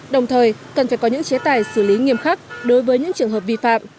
đồng thời cần phải có những chế tài xử lý nghiêm khắc đối với những trường hợp vi phạm